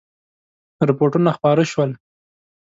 رپوټونه خپاره شول.